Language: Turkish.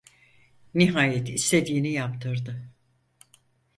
Nihayet istediğini yaptırdı.